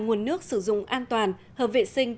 nguồn nước sử dụng an toàn hợp vệ sinh